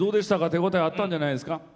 手応えあったんじゃないですか？